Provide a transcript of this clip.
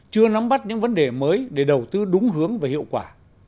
chưa nắm bắt những vấn đề mới để đầu tư đúng hướng và hiệu quả